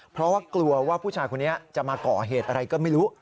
เพราะว่ากลัวว่าผู้ชายคนนี้จะมาก่อเหตุอะไรก็ไม่รู้